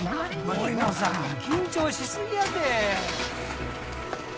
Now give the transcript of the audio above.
森野さん緊張しすぎやて。